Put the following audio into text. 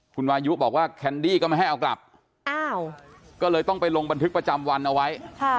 คุณวายุบอกว่าแคนดี้ก็ไม่ให้เอากลับก็เลยต้องไปลงบันทึกประจำวันเอาไว้